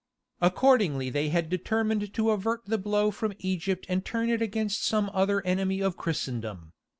Accordingly they had determined to avert the blow from Egypt and turn it against some other enemy of Christendom.